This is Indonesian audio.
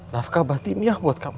lafkah batinnya buat kamu